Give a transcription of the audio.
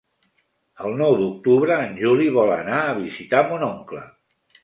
El nou d'octubre en Juli vol anar a visitar mon oncle.